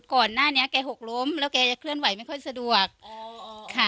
ก่อนหน้านี้แกหกล้มแล้วแกจะเคลื่อนไหวไม่ค่อยสะดวกค่ะ